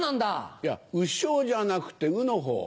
いや鵜匠じゃなくて鵜のほう。